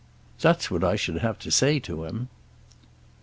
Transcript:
That's what I should have to say to him."